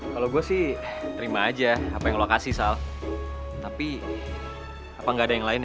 kalau gue sih terima aja apa yang lo kasih sal tapi apa nggak ada yang lain